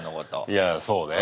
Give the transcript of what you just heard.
いやそうね。